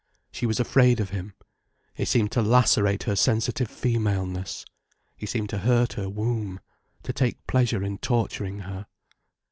She was afraid of him. He seemed to lacerate her sensitive femaleness. He seemed to hurt her womb, to take pleasure in torturing her.